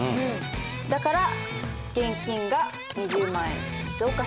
だから現金が２０万円増加しました。